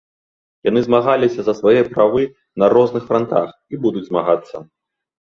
Яны змагаліся за свае правы на розных франтах і будуць змагацца.